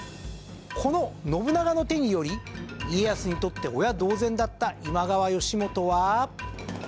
この信長の手により家康にとって親同然だった今川義元は。